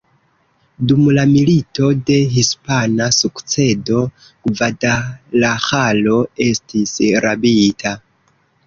Dum la Milito de hispana sukcedo Gvadalaĥaro estis rabita.